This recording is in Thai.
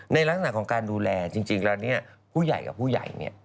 ในลักษณะของการดูแลพ่วงใหญ่กับผู้ใหญ่